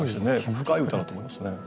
深い歌だと思いますね。